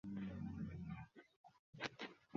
ওহ খুবই ভালো, আপনার উপস্থিতিতে আমি ধন্য অনুভব করছি।